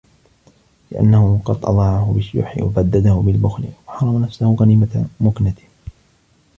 لِأَنَّهُ قَدْ أَضَاعَهُ بِالشُّحِّ وَبَدَّدَهُ بِالْبُخْلِ وَحَرَمَ نَفْسَهُ غَنِيمَةَ مُكْنَتِهِ